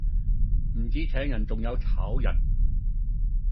唔止請人仲有炒人